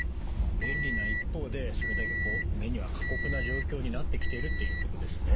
便利な一方でそれだけこう目には過酷な状況になってきているっていうことですね。